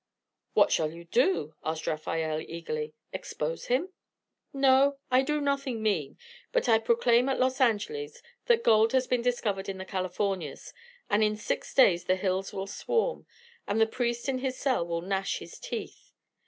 "What shall you do?" asked Rafael, eagerly. "Expose him?" "No, I do nothing mean. But I proclaim at Los Angeles that gold has been discovered in the Californias, and in six days the hills will swarm, and the priest in his cell will gnash his teeth."